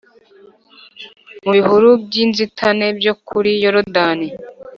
mu bihuru by inzitane byo kuri Yorodani